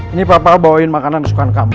ini papa bawa makanan kesukaan kamu